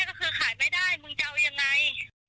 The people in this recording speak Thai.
ก็คือขายไม่ได้มึงจะเอายังไง